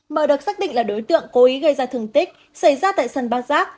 mở đợt xác định là đối tượng cố ý gây ra thường tích xảy ra tại sân bác giác